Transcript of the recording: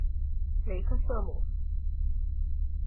雷克瑟姆。